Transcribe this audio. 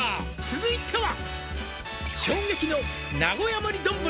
「続いては」